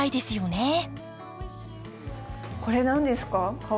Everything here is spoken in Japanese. これ何ですか？